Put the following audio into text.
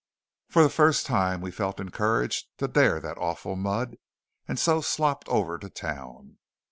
For the first time we felt encouraged to dare that awful mud, and so slopped over to town.